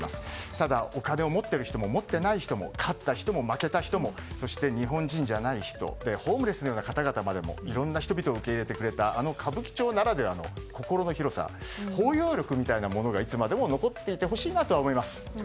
ただ、お金を持っている人も持っていない人も勝った人も負けた人もそして、日本人じゃない人ホームレスのような方々までもいろんな人々を受け入れてくれた歌舞伎町ならではの心の広さ包容力みたいなものがいつまでも残っていてほしいと思います。